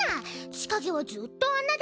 千景はずっとあんなだ。